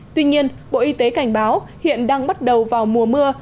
tuy nhiên bộ y tế cảnh báo hiện đang bắt đầu vào mùa mưa